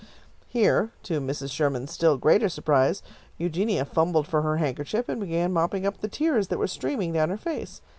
Here, to Mrs. Sherman's still greater surprise, Eugenia fumbled for her handkerchief and began mopping up the tears that were streaming down her face.